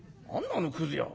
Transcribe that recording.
あのくず屋は？